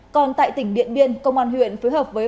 còn tại tỉnh điện biên công an huyện phối hợp với phòng cảnh sát